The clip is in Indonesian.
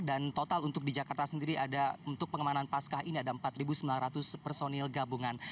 dan total untuk di jakarta sendiri ada untuk pengamanan pasca ini ada empat sembilan ratus personil gabungan